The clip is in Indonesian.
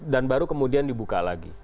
dan baru kemudian dibuka lagi